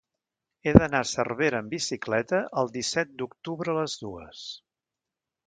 He d'anar a Cervera amb bicicleta el disset d'octubre a les dues.